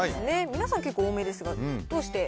皆さん結構多めですが、どうして？